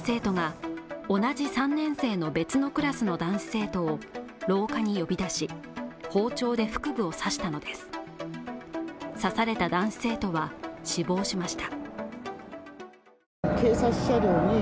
逮捕された男子生徒が同じ３年生の別のクラスの男子生徒を廊下に呼び出し包丁で腹部を刺したのです刺された男子生徒は、死亡しました。